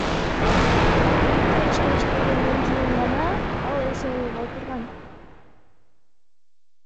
Бир күн кечке иштегенден кийин гана ал эс алууга отурган.